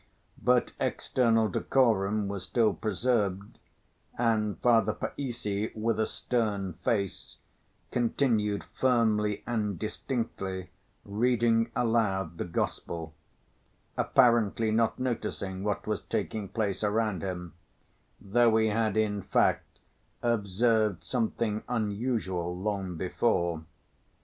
But external decorum was still preserved and Father Païssy, with a stern face, continued firmly and distinctly reading aloud the Gospel, apparently not noticing what was taking place around him, though he had, in fact, observed something unusual long before.